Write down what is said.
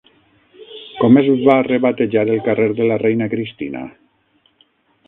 Com es va rebatejar el carrer de la Reina Cristina?